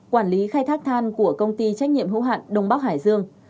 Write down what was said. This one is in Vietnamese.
quản lý khai thác than của công ty trách nhiệm hữu hạn đông bắc hải dương